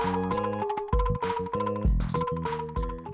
oleh karena kau lemari darah